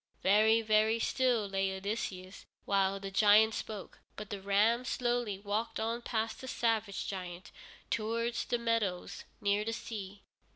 Very, very still lay Odysseus while the giant spoke, but the ram slowly walked on past the savage giant, towards the meadows near the sea.